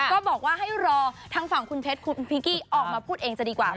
ก็บอกว่าให้รอทางฝั่งคุณเพชรคุณพิงกี้ออกมาพูดเองจะดีกว่า